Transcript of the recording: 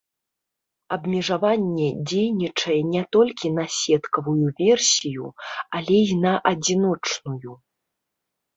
Абмежаванне дзейнічае не толькі на сеткавую версію, але і на адзіночную.